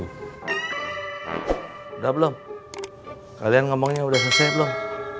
sudah belum kalian ngomongnya udah selesai belum